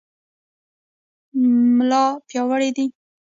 ملا پیاوړی دی.